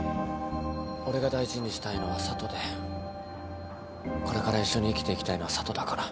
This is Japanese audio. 俺が大事にしたいのは佐都でこれから一緒に生きていきたいのは佐都だから。